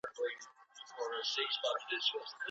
په لاس لیکلنه سوی اصلي سند په اسانۍ نه بدلیږي.